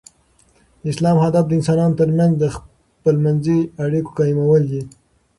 د اسلام هدف د انسانانو تر منځ د خپل منځي اړیکو قایمول دي.